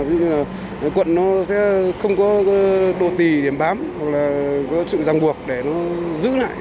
ví dụ như là cuộn nó sẽ không có đồ tì điểm bám hoặc là có sự răng buộc để nó giữ lại